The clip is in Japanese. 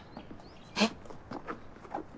えっ？